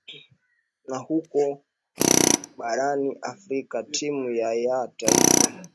na huko barani afrika timu ya ya taifa